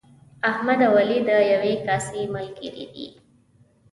احمد او علي د یوې کاسې ملګري دي.